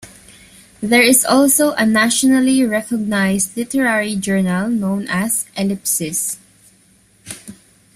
There is also a nationally recognized literary journal known as "Ellipsis".